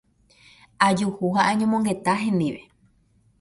ajuhu ha añomongeta hendive.